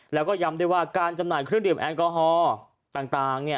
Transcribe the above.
แล้วก็ย้ำด้วยว่าการจำหน่ายเครื่องดื่มแอลกอฮอล์ต่าง